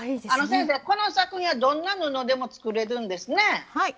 先生この作品はどんな布でも作れるんですね。